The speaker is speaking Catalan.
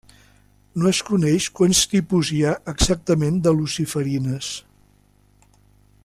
No es coneix quants tipus hi ha exactament de luciferines.